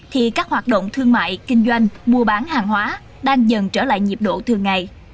thì các hoạt động thương mại kinh doanh mua bán hàng hóa đang dần trở lại nhiệm độ thường ngày